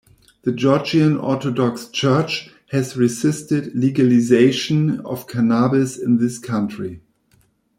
The Georgian Orthodox Church has resisted legalization of cannabis in that country.